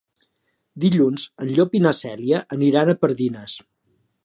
Dilluns en Llop i na Cèlia aniran a Pardines.